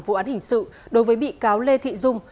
vụ án hình sự đối với bị cáo lê thị dung